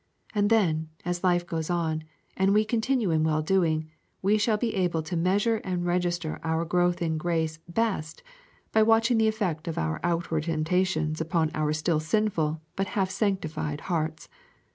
And then, as life goes on, and we continue in well doing, we shall be able to measure and register our growth in grace best by watching the effect of outward temptations upon our still sinful and but half sanctified hearts.